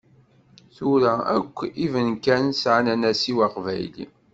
Tura akk ibenkan sεan anasiw aqbayli.